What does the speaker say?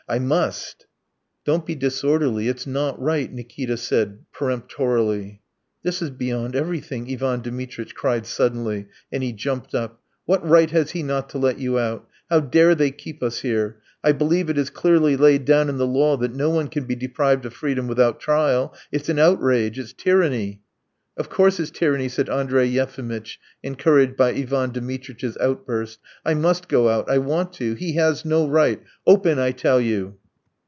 "I must." "Don't be disorderly, it's not right," Nikita said peremptorily. "This is beyond everything," Ivan Dmitritch cried suddenly, and he jumped up. "What right has he not to let you out? How dare they keep us here? I believe it is clearly laid down in the law that no one can be deprived of freedom without trial! It's an outrage! It's tyranny!" "Of course it's tyranny," said Andrey Yefimitch, encouraged by Ivan Dmitritch's outburst. "I must go out, I want to. He has no right! Open, I tell you."